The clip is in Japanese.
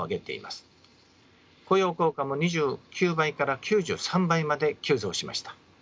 雇用効果も２９倍から９３倍まで急増しました。